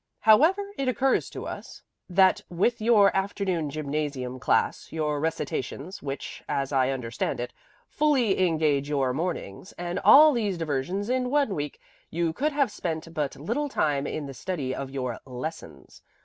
However it occurs to us that with your afternoon gymnasium class, your recitations, which, as I understand it, fully engage your mornings, and all these diversions in one week, you could have spent but little time in the study of your lessons.